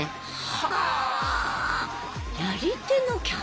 はあ！